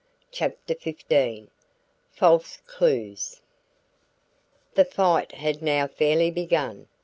CHAPTER XV FALSE CLUES The fight had now fairly begun.